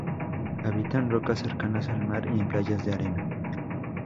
Habita en rocas cercanas al mar y en playas de arena.